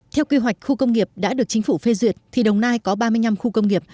theo quy hoạch khu công nghiệp đã được chính phủ phê duyệt thì đồng nai có ba mươi năm khu công nghiệp